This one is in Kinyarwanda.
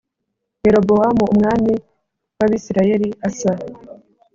Yerobowamu umwami w Abisirayeli Asa